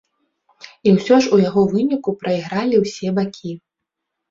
І ўсё ж у яго выніку прайгралі ўсе бакі.